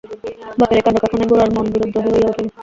বাপের এই কাণ্ডকারখানায় গোরার মন বিদ্রোহী হইয়া উঠিল।